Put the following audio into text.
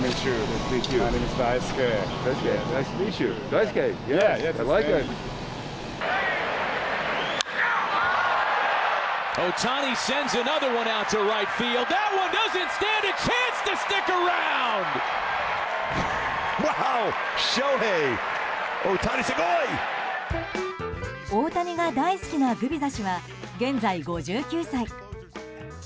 大谷が大好きなグビザ氏は現在５９歳。